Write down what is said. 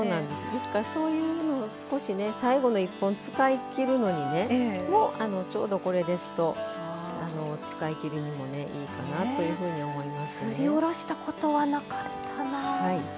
ですから、そういうの最後の１本使い切るのにちょうど、これですと使いきりにもいいかなというふうにすり下ろしたことはなかったな。